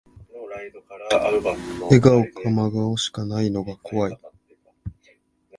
笑顔か真顔しかないのが怖い